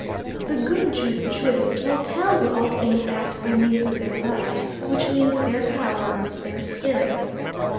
The good ju juist will tell you all things act by means of their life, which means their power, their spirit.